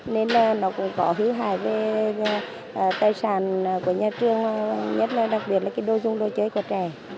nên nó cũng có hữu hại về tài sản của nhà trường nhất là đồ dung đồ chơi của trẻ